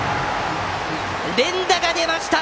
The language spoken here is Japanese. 連打が出ました！